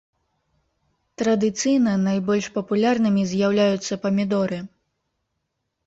Традыцыйна найбольш папулярнымі з'яўляюцца памідоры.